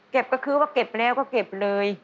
ก็คือว่าเก็บแล้วก็เก็บเลย